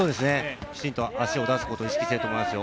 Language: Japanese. きちんと足を出すことを意識していると思いますよ。